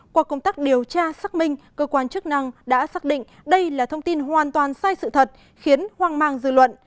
qua công tác điều tra xác minh cơ quan chức năng đã xác định đây là thông tin hoàn toàn sai sự thật khiến hoang mang dư luận